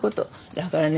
だからね